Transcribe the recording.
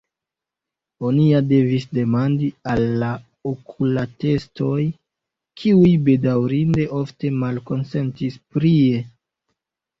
Oni ja devis demandi al okulatestoj kiuj bedaŭrinde ofte malkonsentis prie.